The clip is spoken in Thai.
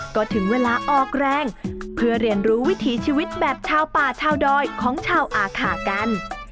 ก็ถึงเวลาออกแรงเพื่อเรียนรู้วิถีชีวิตแบบชาวป่าชาวดอยของชาวอาขากัน